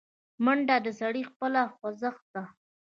منډه د سړي خپله خوځښت ده